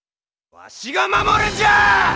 わしが守るんじゃあ！